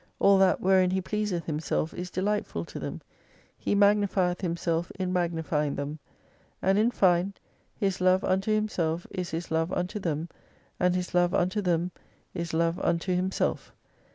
All that wherein He pleaseth Himself is delightful to them : He mag nifieth Himself in magnifying them. And in fine, His love unto Himself is His love unto them, and His love unto them is love unto Himself.